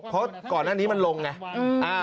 เพราะก่อนหน้านี้มันลงไง